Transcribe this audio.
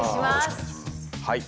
はい。